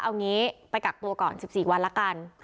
เอางี้ไปกักตัวก่อน๑๔วันละกัน